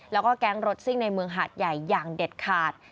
แล้วก็แก๊งรถซิ่งในเมืองหาดใหญ่อย่างเด็ดขาด